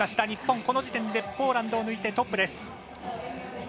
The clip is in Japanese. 日本、この時点でポーランド抜いてトップです。